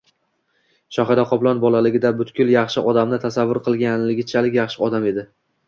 Shohida Qoplon bolaligida butkul yaxshi odamni tasavvur qilganichalik yaxshi odam edi